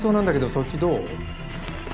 そっちどう？